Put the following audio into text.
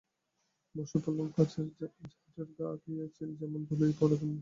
বসে পড়লুম কাছে, ঝড়ের ঘা খেয়ে চিল যেমন ধুলায় পড়ে তেমনি।